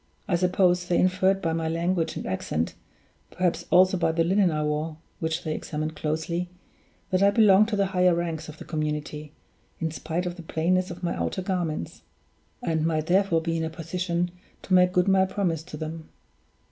I supposed they inferred by my language and accent perhaps also by the linen I wore, which they examined closely that I belonged to the higher ranks of the community, in spite of the plainness of my outer garments; and might, therefore, be in a position to make good my promise to them.